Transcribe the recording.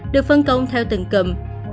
được phân công theo tầng cùm